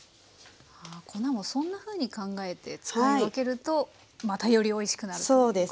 粉もそんなふうに考えて使い分けるとまたよりおいしくなるということなんですね。